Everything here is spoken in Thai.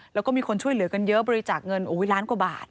แล้วก็มีคนช่วยเหลือกันเยอะบริจาคเงินล้านกว่าบาท